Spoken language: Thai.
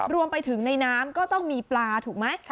รวมไปถึงในน้ำก็ต้องมีปลาถูกไหม